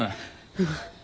うん。